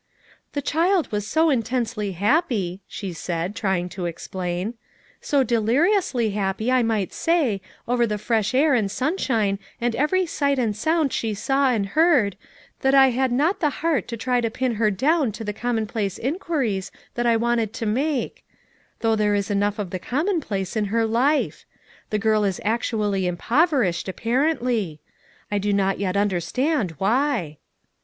"The child was so intensely happy," she said, trying to explain, "so deliriously happy, I might say, over the fresh air and sunshine and every sight and sound she saw and heard, that I had not the heart to try to pin her down to the commonplace inquiries that I wanted to make; though there is enough of the common place in. her life. The girl is actually im poverished, apparently; I do not yet under stand why."